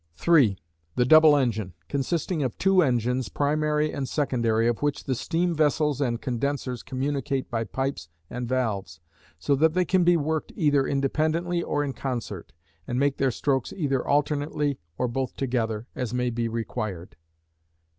3. The double engine; consisting of two engines, primary and secondary, of which the steam vessels and condensers communicate by pipes and valves, so that they can be worked either independently or in concert; and make their strokes either alternately or both together, as may be required.